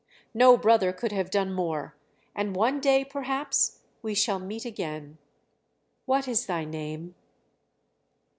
No brother could have done more; and one day, perhaps, we shall meet again. What is thy name?"